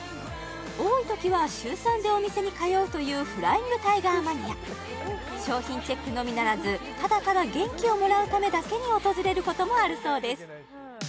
多いときは週３でお店に通うというフライングタイガーマニア商品チェックのみならずただただ元気をもらうためだけに訪れることもあるそうです